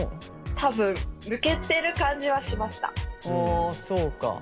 あそうか。